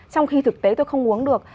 trong khi thực tế tôi không uống được